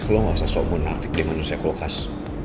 lo gak usah sok ngonrafik deh manusia kulkas